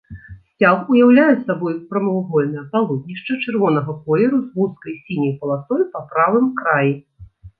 Сцяг уяўляе сабой прамавугольнае палотнішча чырвонага колеру з вузкай сіняй паласой па правым краі.